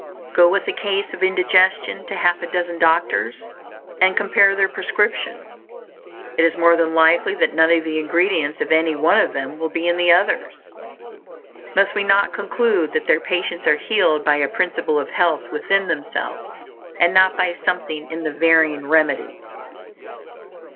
Go with a case of indigestion to half a dozen doctors, and compare their prescriptions; it is more than likely that none of the ingredients of any one of them will be in the others. Must we not conclude that their patients are healed by a Principle of Health within themselves, and not by something in the varying "remedies"?